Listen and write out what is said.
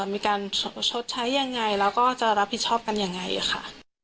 มีการชดใช้ยังไงแล้วก็จะรับผิดชอบกันยังไงค่ะ